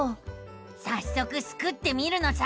さっそくスクってみるのさ！